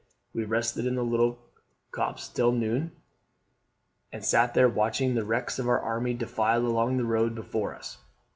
We rested in the little copse till noon, and sate there watching the wrecks of our army defile along the road before us.